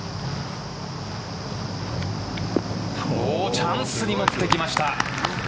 チャンスに持ってきました。